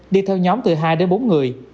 đi theo nhóm từ hai đến bốn người